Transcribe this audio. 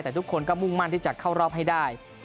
แต่ทุกคนก็มุ่งมั่นที่จะเข้ารอบให้ได้